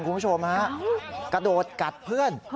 คุณผู้ชมฮะกระโดดกัดเพื่อน